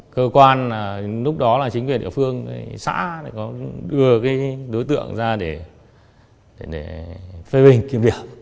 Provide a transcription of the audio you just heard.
cơ quan lúc đó là chính quyền địa phương xã đưa đối tượng ra để phê bình kiếm việc